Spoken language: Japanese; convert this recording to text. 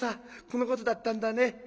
このことだったんだね。